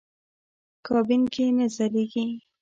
کابین کې نه ځایېږي.